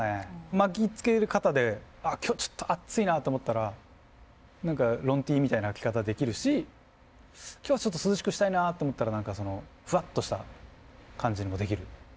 巻きつけ方で今日ちょっとあっついなと思ったら何かロンＴみたいな着方できるし今日はちょっと涼しくしたいなと思ったら何かそのフワッとした感じにもできる。